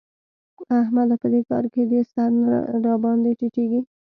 احمده! په دې کار کې دي سر نه راباندې ټيټېږي.